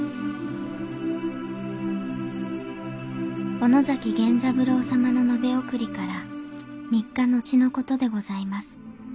小野崎源三郎様の野辺送りから３日後の事でございます